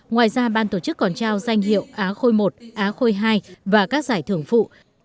ngoài ra ban tổ chức còn trao danh hiệu á khôi i á khôi ii và các giải thưởng phụ